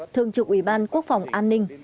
thương trực ủy ban quốc phòng an ninh